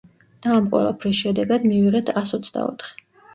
და ამ ყველაფრის შედეგად მივიღეთ ას ოცდაოთხი.